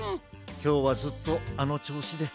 きょうはずっとあのちょうしです。